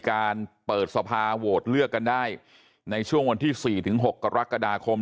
การเปิดสภาโหวตเลือกกันได้ในช่วงวันที่๔๖กรกฎาคม